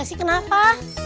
ya sih kenapa